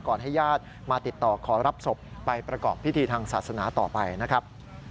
ให้ญาติมาติดต่อขอรับศพไปประกอบพิธีทางศาสนาต่อไปนะครับ